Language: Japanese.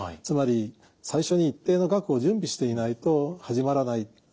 つまり最初に一定の額を準備していないと始まらない。